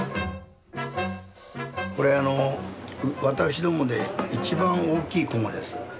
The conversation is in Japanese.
これ私どもで一番大きいこまです。